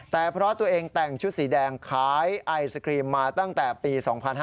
แต่เพราะตัวเองแต่งชุดสีแดงขายไอศครีมมาตั้งแต่ปี๒๕๕๙